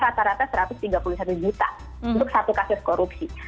rata rata satu ratus tiga puluh satu juta untuk satu kasus korupsi